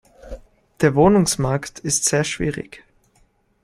Der Wohnungsmarkt ist sehr schwierig.